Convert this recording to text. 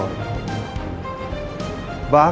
bahkan mencari celahnya